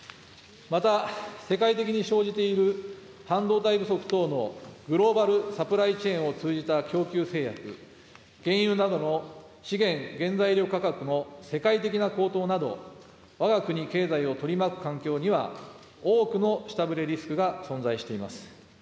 また世界的に生じている半導体不足等のグローバル・サプライチェーンを通じた供給制約、原油などの資源、原材料価格の世界的な高騰など、わが国経済を取り巻く環境には、多くの下振れリスクが存在しています。